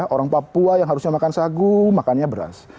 orang papua yang harusnya makan sagu makannya beras